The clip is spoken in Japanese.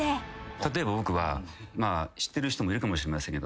例えば僕は知ってる人もいるかもしれませんけど。